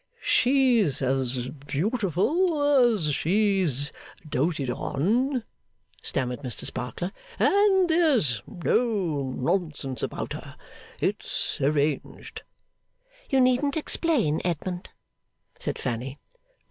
'She's as beautiful as she's doated on,' stammered Mr Sparkler 'and there's no nonsense about her it's arranged ' 'You needn't explain, Edmund,' said Fanny.